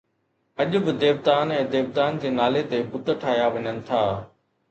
اڄ به ديوتائن ۽ ديوتائن جي نالي تي بت ٺاهيا وڃن ٿا